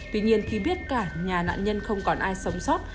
tuy nhiên khi biết cả nhà nạn nhân không còn ai sống sót